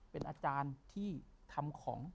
เป็นอาจารย์ที่ทำของ